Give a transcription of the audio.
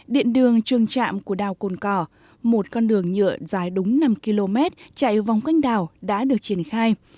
điện đường trường trạm của đảo cồn cỏ một con đường nhựa dài đúng năm km chạy vòng quanh đảo đã được triển khai